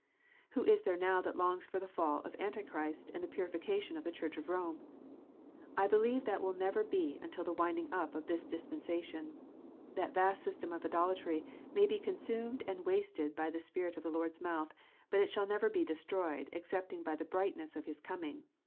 Who is there now that longs for the fall of Antichrist, and the purification of the Church of Rome ? I believe that will never be until the winding up of this dispensation. That vast system of idolatry may be consumed and wasted by the Spirit of the Lord s mouth, but it shall never be destroyed excepting by the brightness of His coming.